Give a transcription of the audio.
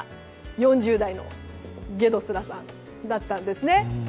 ４０代のげどすらさんだったんですね。